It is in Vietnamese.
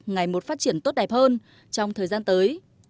ngày một phát triển tốt đẹp hơn trong thời gian tới